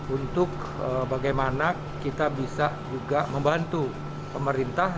untuk bagaimana kita bisa juga membantu pemerintah